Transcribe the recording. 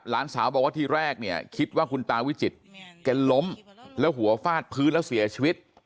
หลานสาวบอกว่าทีแรกเนี่ยคิดว่าคุณตาวิจิตรแกล้มแล้วหัวฟาดพื้นแล้วเสียชีวิต